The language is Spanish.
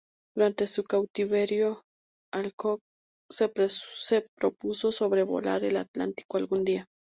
Durante su cautiverio, Alcock se propuso sobrevolar el Atlántico algún día.